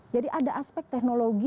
jadi ada aspek teknologi